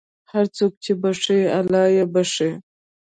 هر څوک چې بښي، الله یې بښي.